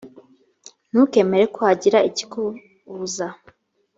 ntukemere ko hagira ikikubuza